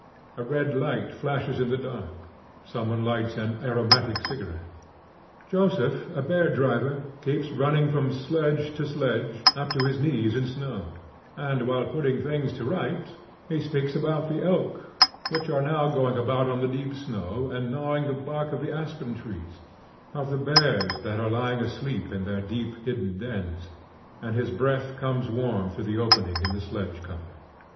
A red light flashes in the dark, some one lights an aromatic cigarette. Joseph, a bear driver, keeps running from sledge to sledge, up to his knees in snow, and while putting things to rights he speaks about the elk which are now going about on the deep snow and gnawing the bark off the aspen trees, of the bears that are lying asleep in their deep hidden dens, and his breath comes warm through the opening in the sledge cover.